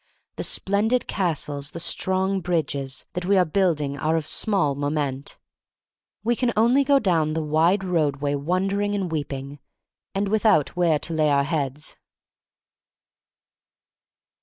The splendid castles, the strong bridges, that we are building are of small moment. We can only go down the wide roadway wondering and weep ing, and without where to lay our heads.